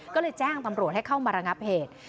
ก็เลยแจ้งตำรวจให้เข้ามาระงับเหตุ